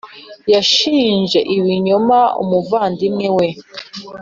Yashinje ibinyoma umuvandimwe we .